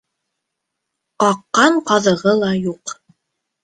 Ҡаҡҡан ҡаҙығы ла юҡ.